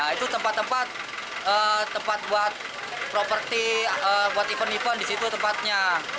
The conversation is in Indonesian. itu tempat tempat buat properti buat event event di situ tempatnya